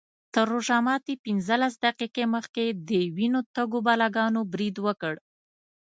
تر روژه ماتي پینځلس دقیقې مخکې د وینو تږو بلاګانو برید وکړ.